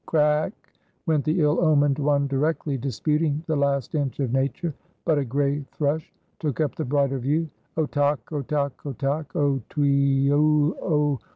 Craake! went the ill omened one directly, disputing the last inch of nature. But a gray thrush took up the brighter view; otock otock tock! o tuee o o!